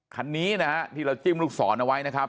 คันนี้นะฮะที่เราจิ้มลูกศรเอาไว้นะครับ